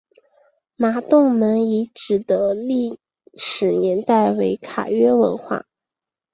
麻洞门遗址的历史年代为卡约文化。